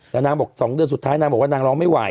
แล้วนางบอก๒เดือนสุดท้ายนางบอกว่านางร้องไม่ไหว